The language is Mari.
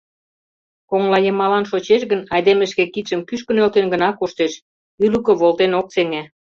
Коҥлайымалан шочеш гын, айдеме шке кидшым кӱшкӧ нӧлтен гына коштеш, ӱлыкӧ волтен ок сеҥе.